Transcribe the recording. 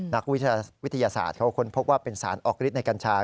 นักวิทยาศาสตร์เขาค้นพบว่าเป็นสารออกฤทธิในกัญชา